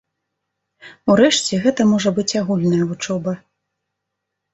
Урэшце гэта можа быць агульная вучоба.